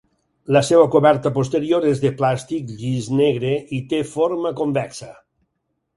La seva coberta posterior és de plàstic llis negre i té forma convexa.